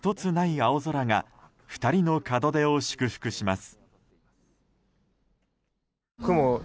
青空が２人の門出を祝福します。